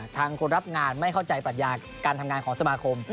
คนรับงานไม่เข้าใจปรัชญาการทำงานของสมาคม